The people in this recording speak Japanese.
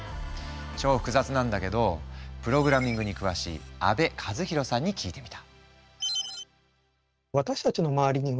超複雑なんだけどプログラミングに詳しい阿部和広さんに聞いてみた。